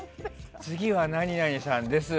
次は何々さんです。